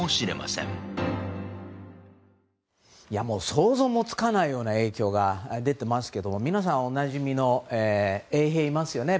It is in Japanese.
想像もつかないような影響が出ていますけど皆さんおなじみの衛兵いますよね